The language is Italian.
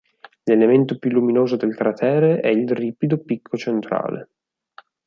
L'elemento più luminoso del cratere è il ripido picco centrale.